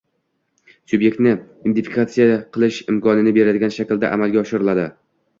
subyektni identifikatsiya qilish imkonini beradigan shaklda amalga oshiriladi.